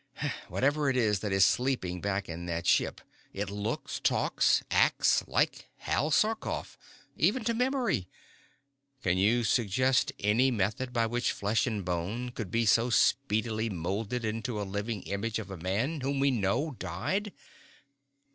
Whatever it is that is sleeping back in the ship, it looks, talks, acts, like Hal Sarkoff, even to memory. Can you suggest any method by which flesh and bone could be so speedily moulded into a living image of a man whom we know died?"